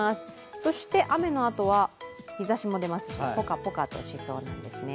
そして雨のあとはひ日ざしも出ますし、ポカポカもしそうなんですね。